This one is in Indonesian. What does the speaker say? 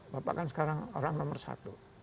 bapak kan sekarang orang nomor satu